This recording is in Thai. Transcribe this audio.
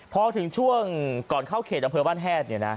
พอถึงช่วงก่อนเข้าเขตอำเภอบ้านแฮด